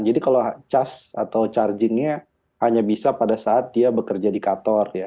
jadi kalau charge atau chargingnya hanya bisa pada saat dia bekerja di kator ya